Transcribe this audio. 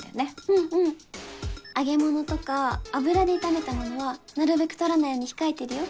うんうん揚げ物とか油で炒めたものはなるべく取らないように控えてるよ